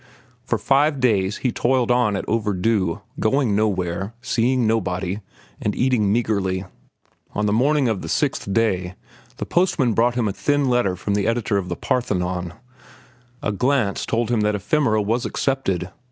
For five days he toiled on at "Overdue," going nowhere, seeing nobody, and eating meagrely. On the morning of the sixth day the postman brought him a thin letter from the editor of The Parthenon. A glance told him that "Ephemera" was accepted.